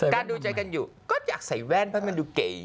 ดูใจกันอยู่ก็อยากใส่แว่นเพราะมันดูเก๋